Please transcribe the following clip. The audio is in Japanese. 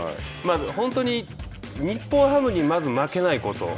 本当に、日本ハムにまず負けないこと。